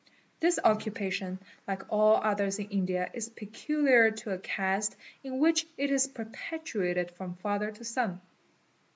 This occupation like all others in India is peculiar to a caste in which it is perpetuated from father to son.